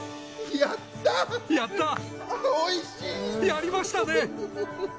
やりましたね！